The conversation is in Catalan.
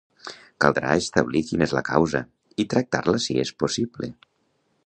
Caldrà establir quina és la causa, i tractar-la si és possible.